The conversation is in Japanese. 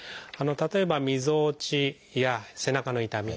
例えばみぞおちや背中の痛み